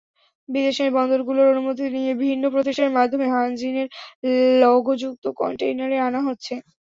বিদেশের বন্দরগুলোর অনুমতি নিয়ে ভিন্ন প্রতিষ্ঠানের মাধ্যমে হানজিনের লোগোযুক্ত কনটেইনারে আনা হচ্ছে।